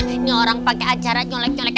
ini orang pake acara nyelek nyelek